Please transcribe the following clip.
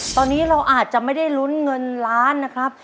ตอนนี้เราอาจจะไม่ได้ลุ้นเงินล้านนะครับ